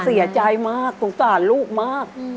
เสียใจมากสงสารลูกมาก